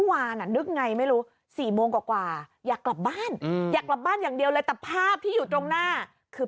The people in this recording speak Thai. นึกไงไม่รู้๔โมงกว่าอยากกลับบ้านอยากกลับบ้านอย่างเดียวเลยแต่ภาพที่อยู่ตรงหน้าคือ